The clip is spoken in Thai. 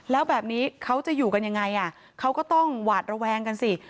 แล้วแบบนี้เขาจะอยู่กันยังไงเขาก็ต้องหวาดระแวงกันสิ